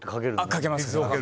かけます。